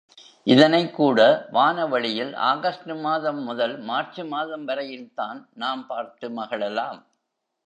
இதனைக் கூட வான வெளியில் ஆகஸ்டு மாதம் முதல் மார்ச்சு மாதம் வரையில் தான் நாம் பார்த்து மகிழலாம்.